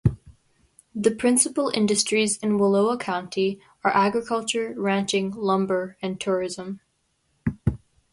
The principal industries in Wallowa County are agriculture, ranching, lumber, and tourism.